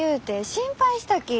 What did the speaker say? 心配したき。